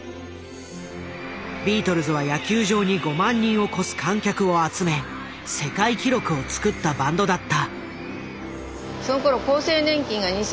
ビートルズは野球場に５万人を超す観客を集め世界記録を作ったバンドだった。